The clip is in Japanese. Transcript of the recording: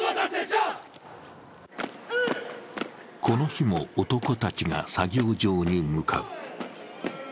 この日も男たちが作業場に向かう。